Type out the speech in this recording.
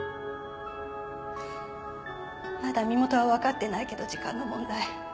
まだ身元は分かってないけど時間の問題